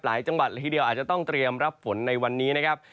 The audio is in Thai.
หลายจังหวัดละทีเดียวอาจจะต้องเตรียมรับฝนในวันนี้นะครับ